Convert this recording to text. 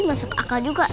masuk akal juga